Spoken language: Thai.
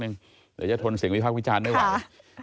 เหลือจะทนเสียงวิพาของพี่จันได้ไว้